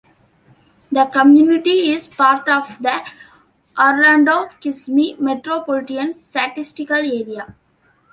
The community is part of the Orlando-Kissimmee Metropolitan Statistical Area.